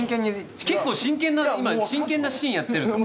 結構真剣な今真剣なシーンやってるんですよ。